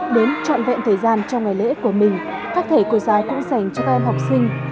đến trọn vẹn thời gian trong ngày lễ của mình các thầy cô giáo cũng dành cho các em học sinh